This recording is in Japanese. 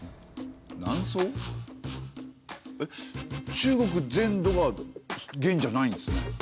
中国全土が元じゃないんですね。